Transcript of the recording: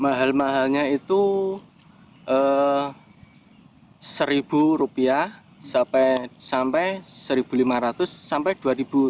mahal mahalnya itu satu rupiah sampai satu lima ratus rupiah